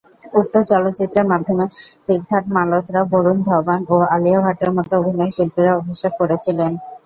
উক্ত চলচ্চিত্রের মাধ্যমে সিদ্ধার্থ মালহোত্রা, বরুণ ধবন ও আলিয়া ভাটের মতো অভিনয়শিল্পীরা অভিষেক করেছিলেন।